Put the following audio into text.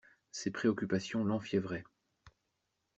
Ses préoccupations l'enfiévraient.